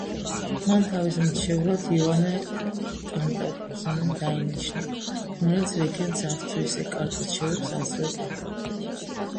მან თავის მრჩევლად იოანე კანტაკუზენე დაინიშნა, რომელიც რეგენტს არც თუ ისე კარგ რჩევებს აძლევდა.